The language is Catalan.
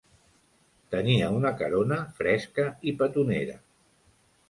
Tenia una carona fresca i petonera.